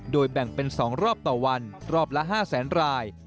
โดยแบ่งเป็น๒รอบต่อวันรอบละ๕แสนราย